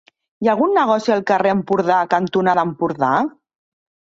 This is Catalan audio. Hi ha algun negoci al carrer Empordà cantonada Empordà?